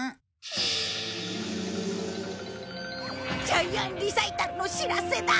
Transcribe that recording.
ジャイアンリサイタルの知らせだ！